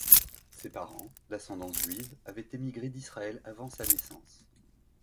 Ses parents, d'ascendance juive, avait émigré d'Israël avant sa naissance.